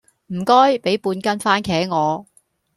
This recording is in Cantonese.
唔該，畀半斤番茄我